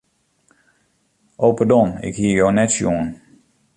O pardon, ik hie jo net sjoen.